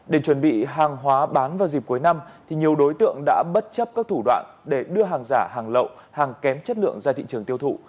để chuẩn bị hàng hóa bán vào dịp cuối năm thì nhiều đối tượng đã bất chấp các thủ đoạn để đưa hàng giả hàng lậu hàng kém chất lượng ra thị trường tiêu thụ